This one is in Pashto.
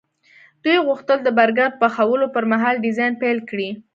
دوی غوښتل د برګر پخولو پرمهال ډیزاین پیل کړي